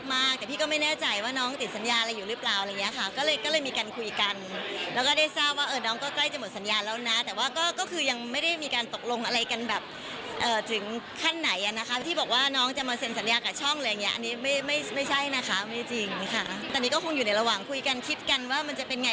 ไม่ใช่นะคะไม่จริงค่ะแต่นี่ก็คงอยู่ในระหว่างคุยกันคิดกันว่ามันจะเป็นไง